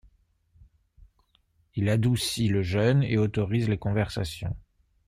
Il adoucit le jeûne et autorise les conversations.